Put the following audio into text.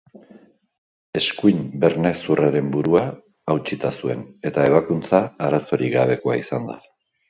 Eskuin bernahezurraren burua hautsita zuen eta ebakuntza arazorik gabekoa izan da.